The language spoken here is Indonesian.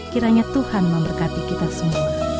kiranya tuhan memberkati kita semua